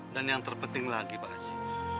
dan yang terpenting lagi pak haji